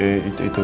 eh itu itu